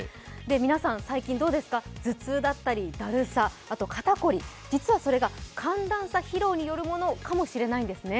皆さん、最近どうですか、頭痛だったりだるさ、あと肩凝り、実はそれは寒暖差疲労によるものかもしれないんですね。